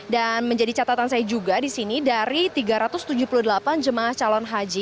dan menjadi catatan saya juga di sini dari tiga ratus tujuh puluh delapan jemaah calon haji